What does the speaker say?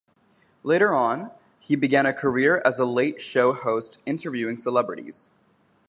Later on, he began a career as a late show host interviewing celebrities.